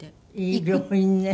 いい病院ね。